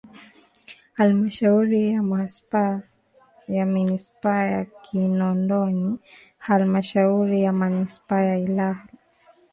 Halmashauri ya Manispaa ya Kinondoni Halmashauri ya Manispaa ya Ilala